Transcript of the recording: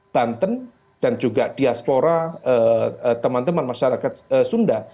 banten dan juga diaspora teman teman masyarakat sunda